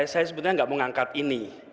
saya sebetulnya gak mau mengangkat ini